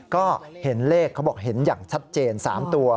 ก็เห็นเลขเขาบอกเห็นอย่างชัดเจน๓ตัว